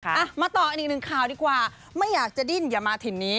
เอามาต่อกันอีกหนึ่งข่าวดีกว่าไม่อยากจะดิ้นอย่ามาถิ่นนี้